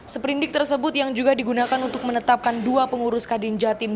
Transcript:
seperindik tersebut yang juga digunakan untuk menetapkan dua pengurus kadin jatim